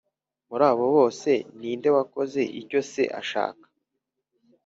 muri abo bombi ni nde wakoze icyo se ashaka?’